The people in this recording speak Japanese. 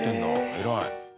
偉い。